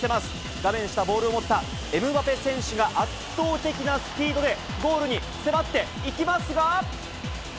画面下、ボールを持ったエムバペ選手が圧倒的なスピードで、ゴールに迫っていきますが。